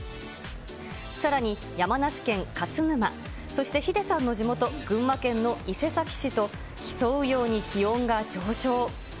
さらに、山梨県勝沼、そしてヒデさんの地元、群馬県の伊勢崎市と競うように気温が上昇。